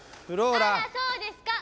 あらそうですか！